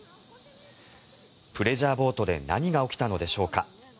プレジャーボートで何が起きたのでしょうか。